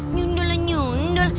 nyundul lah nyundul